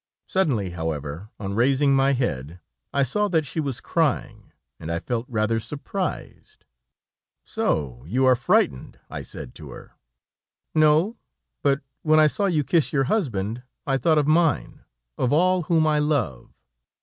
Suddenly, however, on raising my head, I saw that she was crying, and I felt rather surprised. "'So you are frightened?' I said to her. "'No, but when I saw you kiss your husband, I thought of mine, of all whom I love."